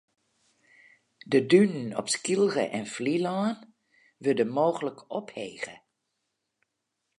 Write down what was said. De dunen op Skylge en Flylân wurde mooglik ophege.